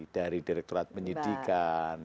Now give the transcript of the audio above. dari direktorat menyidikan